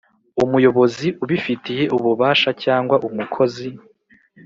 Umuyobozi ubifitiye ububasha cyangwa umukozi